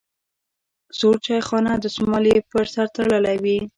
سور چارخانه دستمال یې په سر تړلی وي.